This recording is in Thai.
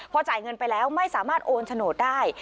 พอจ่ายเงินไปแล้วไม่สามารถโอนโฉนดได้